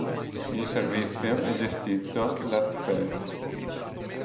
Il servizio è gestito da Tper.